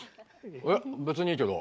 えっ別にいいけど。